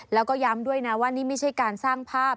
แล้วก็ย้ำด้วยนะว่านี่ไม่ใช่การสร้างภาพ